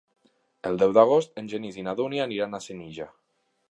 El deu d'agost en Genís i na Dúnia aniran a Senija.